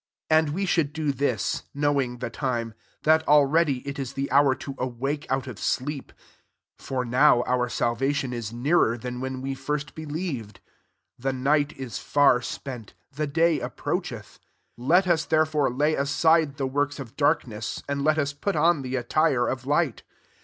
11 And w Mkouid do this, knowing the time, that already it is the hour to awake out of sleep : (for now our salvation i « nearer than when we first be lieved z 12 the night is far spent, the day approacheth :) let. us therefore lay aside the works of darkness, and let ua put <m the attire of light.